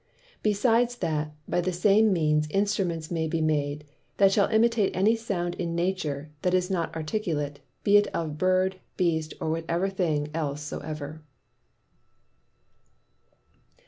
Besides that, by the same means Instruments may be made, that shall imitate any Sound in Nature, that is not Articulate, be it of Bird, Beast, or what thing else soever.